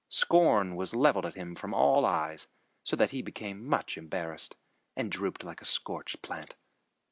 Scorn was leveled at him from all eyes, so that he became much embarrassed and drooped like a scorched plant.